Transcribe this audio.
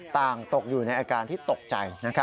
ตกอยู่ในอาการที่ตกใจ